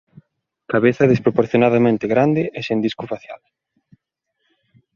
Cabeza desproporcionadamente grande e sen disco facial.